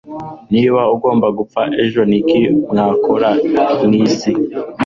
niba agomba gupfa ejo, niki mwakora mwisi